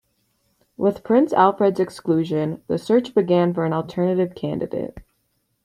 With Prince Alfred's exclusion, the search began for an alternative candidate.